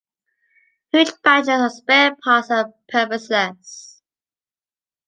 Huge batches of spare parts are purposeless.